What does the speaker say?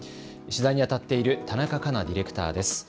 取材にあたっている田中かなディレクターです。